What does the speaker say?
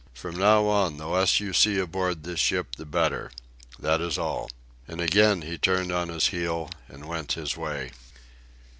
From now on the less you see aboard this ship the better. That is all." And again he turned on his heel and went his way.